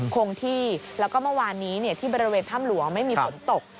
คงที่แล้วก็เมื่อวานนี้ที่บริเวณถ้ำหลวงไม่มีฝนตก